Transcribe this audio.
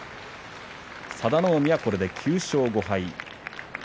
佐田の海がこれで９勝５敗。